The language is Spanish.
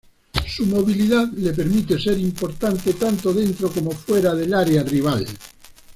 Su movilidad le permite ser importante tanto dentro como fuera del área rival.